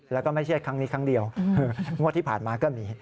แล้วก็ไม่ใช่ครั้งนี้ครั้งเดียวงวดที่ผ่านมาก็มี